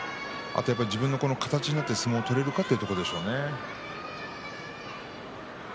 自分の形になって相撲が取れるかということでしょうね。